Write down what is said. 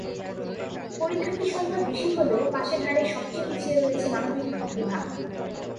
পরীক্ষার্থীর সংখ্যা বেশি হলেও পাসের হারে সবচেয়ে পিছিয়ে রয়েছে মানবিক বিভাগ।